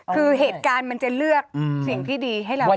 คือเหตุการณ์มันจะเลือกสิ่งที่ดีให้เรา